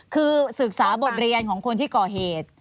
คือศึกษาบทเรียนของคนที่ก่อเหตุ